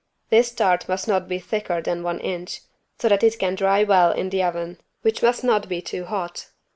This tart must not be thicker than one inch, so that it can dry well in the oven, which must not be too hot.